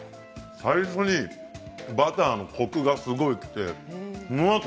最初にバターのコクがすごくきてそのあと